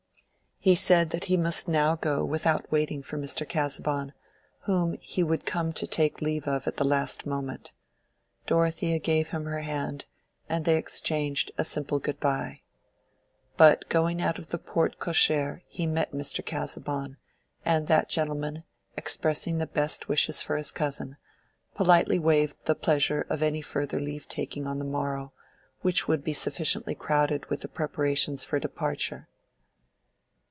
He said that he must go now without waiting for Mr. Casaubon, whom he would come to take leave of at the last moment. Dorothea gave him her hand, and they exchanged a simple "Good by." But going out of the porte cochere he met Mr. Casaubon, and that gentleman, expressing the best wishes for his cousin, politely waived the pleasure of any further leave taking on the morrow, which would be sufficiently crowded with the preparations for departure.